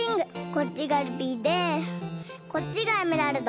こっちがルビーでこっちがエメラルド。